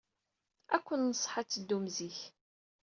Ad ken-nenṣeḥ ad teddum zik.